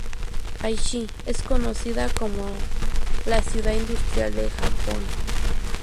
Aichi es conocida como la ciudad industrial del Japón.